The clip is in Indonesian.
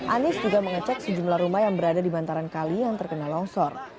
anies juga mengecek sejumlah rumah yang berada di bantaran kali yang terkena longsor